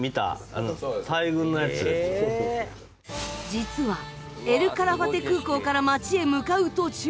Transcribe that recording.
実はエル・カラファテ空港から街へ向かう途中。